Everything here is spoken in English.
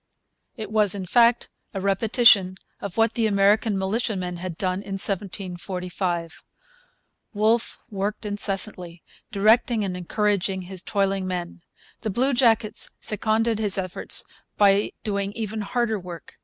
It was, in fact, a repetition of what the American militiamen had done in 1745. Wolfe worked incessantly, directing and encouraging his toiling men. The bluejackets seconded his efforts by doing even harder work.